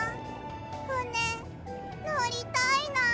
ふねのりたいなあ。